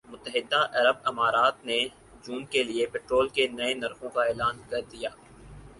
متحدہ عرب امارات نے جون کے لیے پٹرول کے نئے نرخوں کا اعلان کیا ہے